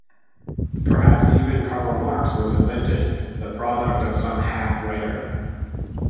Perhaps even Karl Marx was invented, the product of some hack writer.